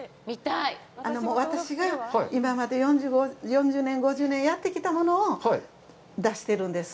私が、今まで４０年５０年やってきたものを出してるんです。